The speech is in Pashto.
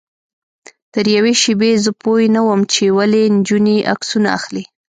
تر یوې شېبې زه پوی نه وم چې ولې نجونې عکسونه اخلي.